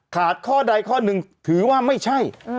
ข้อใดข้อหนึ่งถือว่าไม่ใช่